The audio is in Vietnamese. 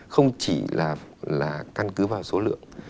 không chỉ là căn cứ vào số lượng